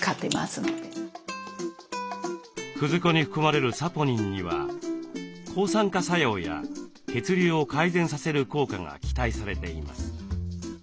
くず粉に含まれるサポニンには抗酸化作用や血流を改善させる効果が期待されています。